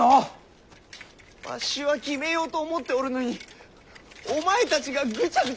わしは決めようと思っておるのにお前たちがぐちゃぐちゃと申すから！